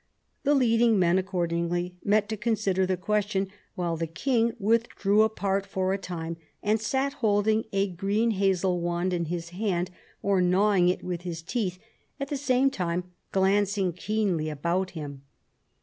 The leading men accordingly met to consider the question, while the king withdrew apart for a time, and sat holding a green hazel wand in his hand or gnawing it with his teeth, at the same time glancing keenly about him.